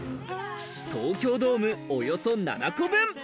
東京ドームおよそ７個分。